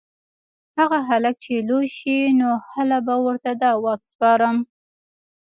هغه هلک چې لوی شي نو هله به ورته دا واک سپارم